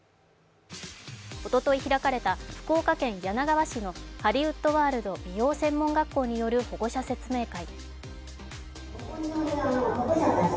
おととい開かれた福岡県柳川市のハリウッドワールド美容専門学校による保護者説明会。